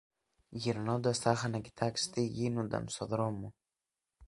γυρνώντας τάχα να κοιτάξει τι γίνουνταν στο δρόμο